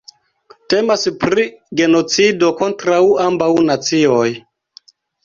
Temas pri genocido kontraŭ ambaŭ nacioj.